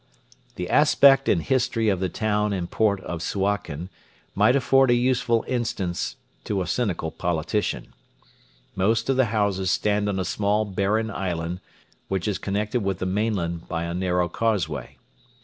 The aspect and history of the town and port of Suakin might afford a useful instance to a cynical politician. Most of the houses stand on a small barren island which is connected with the mainland by a narrow causeway.